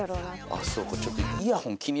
あっそうかちょっと。